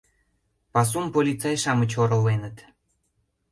Пасум полицай-шамыч ороленыт.